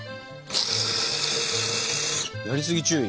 やりすぎ注意。